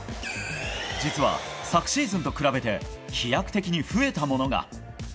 実は昨シーズンと比べて飛躍的に増えたものが。